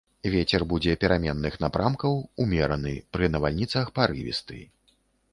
Вецер будзе пераменных напрамкаў умераны, пры навальніцах парывісты.